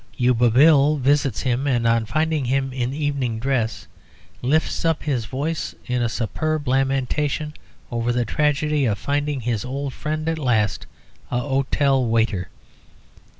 Yuba Bill visits him, and on finding him in evening dress lifts up his voice in a superb lamentation over the tragedy of finding his old friend at last "a 'otel waiter."